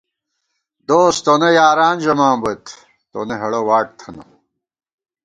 دوس تونہ یاران ژَمان بوت ، تونہ ہېڑہ واٹ تھنہ